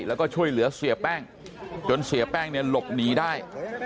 แล้วก็ช่วยเหลือเสียแป้งจนเสียแป้งเนี่ยหลบหนีได้